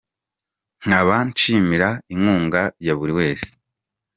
nkaba nshimira inkunga ya buri wese .